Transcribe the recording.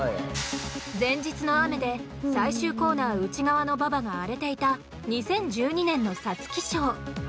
前日の雨で最終コーナー内側の馬場が荒れていた２０１２年の皐月賞。